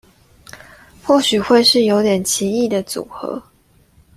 或許會是有點奇異的組合